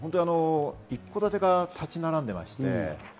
一戸建てが立ち並んでいまして。